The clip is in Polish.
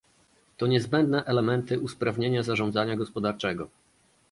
To niezbędne elementy usprawnienia zarządzania gospodarczego